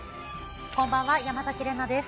こんばんは山崎怜奈です。